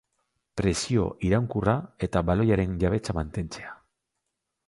Presio iraunkorra eta baloiaren jabetza mantentzea.